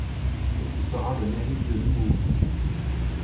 Et ce sera le mérite de l'humour.